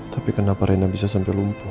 tapi kenapa reina bisa sampai lumpuh